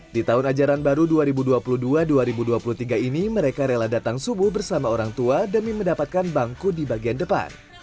di tahun ajaran baru dua ribu dua puluh dua dua ribu dua puluh tiga ini mereka rela datang subuh bersama orang tua demi mendapatkan bangku di bagian depan